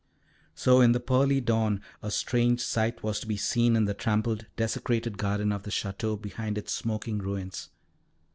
So in the pearly dawn, a strange sight was to be seen in the trampled, desecrated garden of the Château behind its smoking ruins.